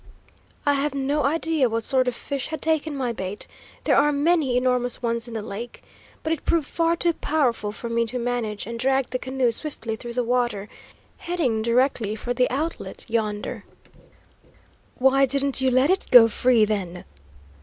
"I have no idea what sort of fish had taken my bait, there are many enormous ones in the lake, but it proved far too powerful for me to manage, and dragged the canoe swiftly through the water, heading directly for the outlet, yonder." "Why didn't you let it go free, then?"